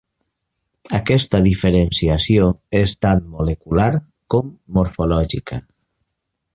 Aquesta diferenciació és tant molecular com morfològica.